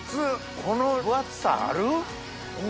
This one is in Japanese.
この分厚さある？